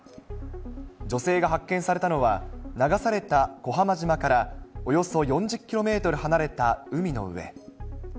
女性が発見されたのは、流された小浜島からおよそ４０キロメートル離れた海の上。